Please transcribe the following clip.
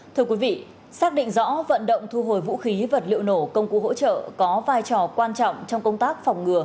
thưa quý vị xác định rõ vận động thu hồi vũ khí vật liệu nổ công cụ hỗ trợ có vai trò quan trọng trong công tác phòng ngừa